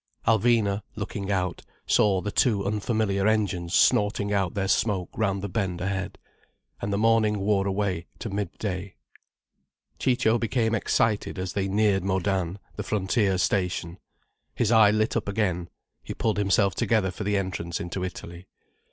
Alvina, looking out, saw the two unfamiliar engines snorting out their smoke round the bend ahead. And the morning wore away to mid day. Ciccio became excited as they neared Modane, the frontier station. His eye lit up again, he pulled himself together for the entrance into Italy.